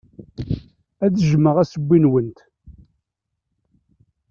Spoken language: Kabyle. Ad jjmeɣ assewwi-nwent.